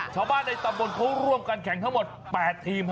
ชาวบ้านในตำบลเขาร่วมกันแข่งทั้งหมด๘ทีม